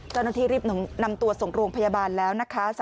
เจ้าหน้าที่รีบนำตัวส่งโรงพยาบาลแล้วนะคะ